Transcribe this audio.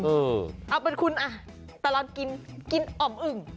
เอาเป็นคุณตลอดกินอ่อมอึ่ง